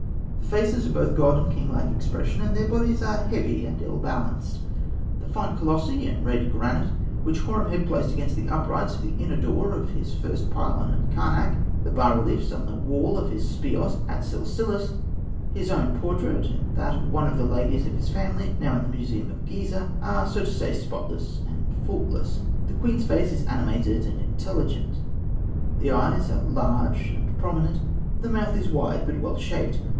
The faces of both god and king lack expression, and their bodies are heavy and ill balanced. The fine colossi in red granite which Horemheb placed against the uprights of the inner door of his first pylon at Karnak, the bas reliefs on the walls of his speos at Silsilis, his own portrait and that of one of the ladies of his family now in the museum of Gizeh, are, so to say, spotless and faultless. The queen's face (fig. 199) is animated and intelligent; the eyes are large and prominent; the mouth is wide, but well shaped.